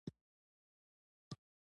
سړي له علاوالدین څخه یوه پوښتنه وکړه.